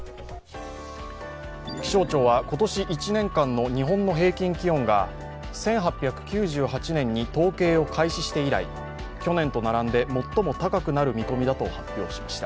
気象庁は今年１年間の日本の平均気温が１８９８年に統計を開始して以来、去年と並んで最も高くなる見込みだと発表しました。